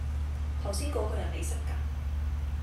頭先嗰個人你識㗎？